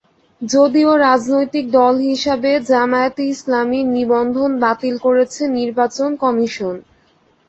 যদিও রাজনৈতিক দল হিসেবে জামায়াতে ইসলামীর নিবন্ধন বাতিল করেছে নির্বাচন কমিশন।